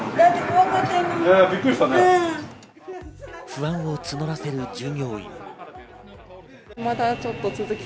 不安を募らせる従業員。